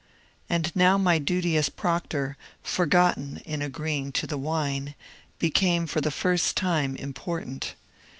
And now my duty as proctor, forgotten in agreeing to the wine, became for the first time important.